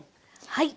はい。